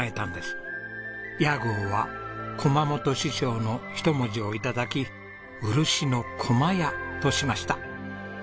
屋号は駒本師匠の１文字を頂き「うるしの駒や」としました。